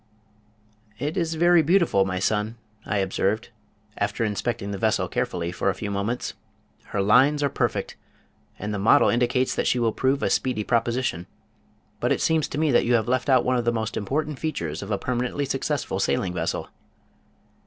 "It is very beautiful, my son," I observed, after inspecting the vessel carefully for a few moments. "Her lines are perfect, and the model indicates that she will prove a speedy proposition, but it seems to me that you have left out one of the most important features of a permanently successful sailing vessel."